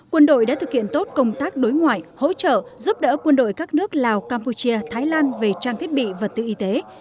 quân đội đã thực hiện tốt công tác đối ngoại hỗ trợ giúp đỡ quân đội các nước lào campuchia thái lan về trang thiết bị và tự y tế